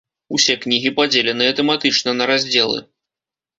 Усе кнігі падзеленыя тэматычна на раздзелы.